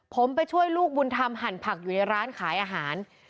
ผมไปช่วยลูกบุญธรรมหั่นผักอยู่ในร้านขายอาหาร